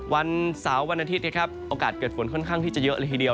วันเสาร์วันอาทิตย์นะครับโอกาสเกิดฝนค่อนข้างที่จะเยอะเลยทีเดียว